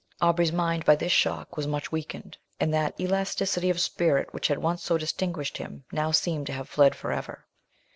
Aubrey's mind, by this shock, was much weakened, and that elasticity of spirit which had once so distinguished him now seemed to have fled for ever.